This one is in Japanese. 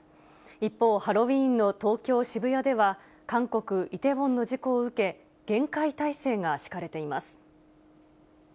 一方、ハロウィーンの東京・渋谷では、韓国・イテウォンの事故を受け、厳戒態勢が敷かれています。